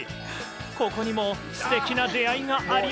ここにも、すてきな出会いがあり